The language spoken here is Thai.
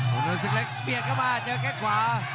กระดูกศึกเล็กเปรียดเข้ามาเจอแค่งขวา